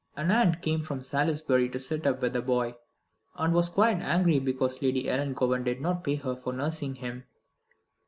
An aunt came from Salisbury to sit up with the boy, and was quite angry because Lady Ellangowan did not pay her for nursing him."